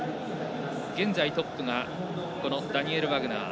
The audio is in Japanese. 現在トップがダニエル・ワグナー。